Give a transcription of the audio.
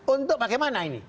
untuk bagaimana ini